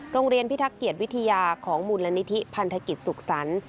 พิทักเกียรติวิทยาของมูลนิธิพันธกิจสุขสรรค์